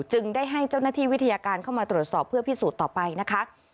จึงได้ให้เจ้าหน้าที่วิทยาการเข้ามาตรวจสอบเพื่อพิสูจน์ต่อไปนะคะ